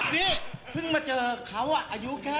นี่เพิ่งมาเจอเขาอ่ะอายุแค่๓๗ปี